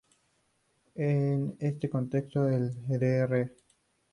En este contexto, el Dr.